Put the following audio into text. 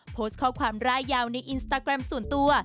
โพสต์ข้อความร่ายยาวในอินสตาแกรมส่วนตัว